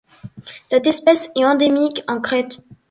Cette espèce est endémique en Crète.